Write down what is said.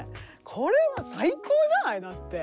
これは最高じゃないだって。